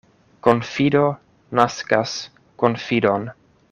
Konfido naskas konfidon.